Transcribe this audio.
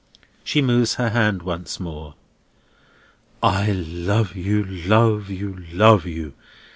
She moves her hand once more. "I love you, love you, love you!